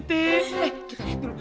kita lihat dulu